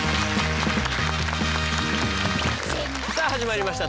さあ始まりました